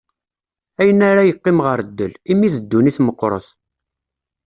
Ayen ara yeqqim ɣer ddel, imi d dunnit meqqret.